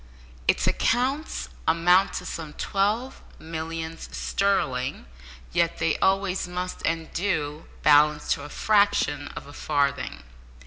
Its accounts amount to some twelve millions sterling, yet they always must, and do, balance to a fraction of a farthing.